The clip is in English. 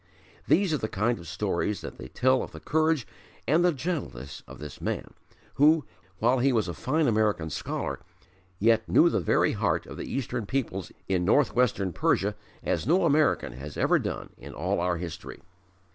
These are the kind of stories that they tell of the courage and the gentleness of this man who while he was a fine American scholar yet knew the very heart of the Eastern peoples in northwestern Persia as no American has ever done in all our history.